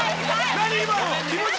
何今の？